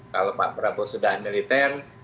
kalau pak prabowo sudah militer